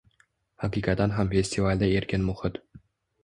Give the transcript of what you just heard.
Haqiqatan ham festivalda erkin muhit